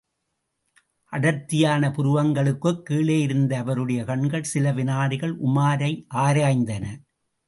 அடர்த்தியான புருவங்களுக்குக் கீழேயிருந்த அவருடைய கண்கள் சில வினாடிகள் உமாரை ஆராய்ந்தன.